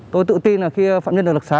tôi tự tin là khi phạm nhân lực xá